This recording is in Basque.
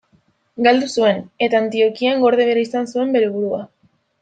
Galdu zuen eta Antiokian gorde behar izan zuen bere burua.